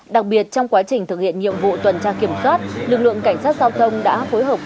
đặc biệt trong quá trình thực hiện nhiệm vụ tuần tra kiểm soát lực lượng cảnh sát giao thông đã phối hợp